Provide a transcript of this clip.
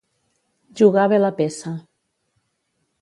Jugar bé la peça.